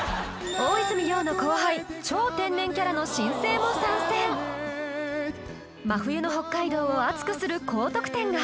大泉洋の後輩超天然キャラの新星も参戦真冬の北海道を熱くする高得点が！？